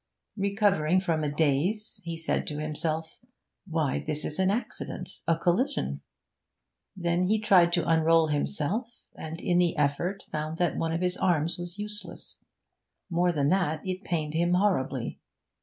Recovering from a daze, he said to himself, 'Why, this is an accident a collision!' Then he tried to unroll himself, and in the effort found that one of his arms was useless; more than that, it pained him horribly.